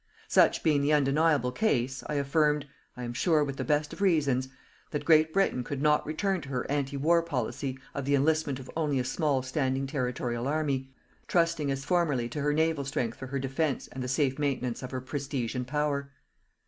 Such being the undeniable case, I affirmed I am sure with the best of reasons that Great Britain could not return to her ante war policy of the enlistment of only a small standing territorial army, trusting as formerly to her Naval strength for her defence and the safe maintenance of her prestige and power.